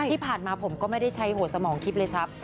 ที่ผ่านมาผมก็ไม่ได้ใช้หัวสมองคลิปเลยครับ